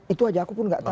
itu aja aku pun nggak tahu